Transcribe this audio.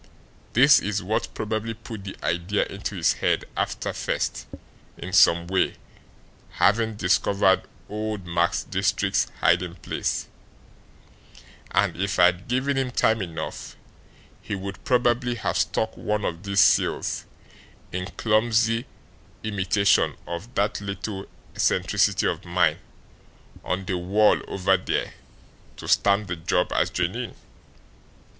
"This is what probably put the idea into his head, after first, in some way, having discovered old Max Diestricht's hiding place; and, if I had given him time enough, he would probably have stuck one of these seals, in clumsy imitation of that little eccentricity of mine, on the wall over there to stamp the job as genuine.